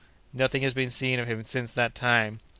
Nothing has been seen of him since that time.